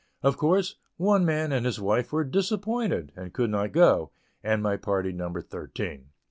Of course, one man and his wife were "disappointed," and could not go and my party numbered thirteen.